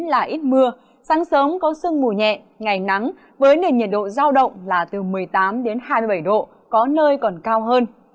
là ít mưa sáng sớm có sương mù nhẹ ngày nắng với nền nhiệt độ giao động là từ một mươi tám đến hai mươi bảy độ có nơi còn cao hơn